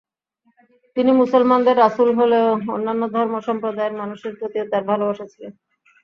তিনি মুসলমানদের রাসুল হলেও অন্যান্য ধর্ম সম্প্রদায়ের মানুষের প্রতিও তাঁর ভালোবাসা ছিল।